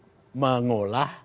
itu juga membuatnya lebih banyak